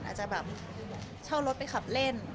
อาจจะแบบเช่ารถไปขับเล่น